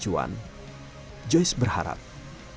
joyce berharap anak didik terpacu untuk berusaha berjalan ke mall